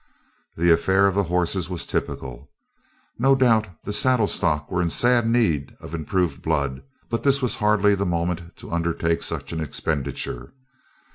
This affair of the horses was typical. No doubt the saddle stock were in sad need of improved blood but this was hardly the moment to undertake such an expenditure.